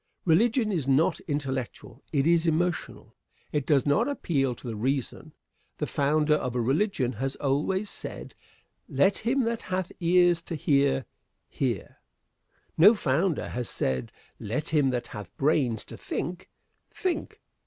Religion is not intellectual it is emotional. It does not appeal to the reason. The founder of a religion has always said: "Let him that hath ears to hear, hear!" No founder has said: "Let him that hath brains to think, think!"